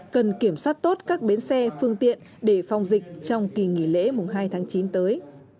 cần kiểm soát tốt các bến xe phương tiện để phòng dịch trong kỳ nghỉ lễ mùng hai tháng chín tới